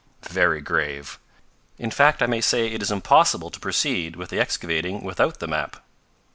"Very grave. In fact I may say it is impossible to proceed with the excavating without the map."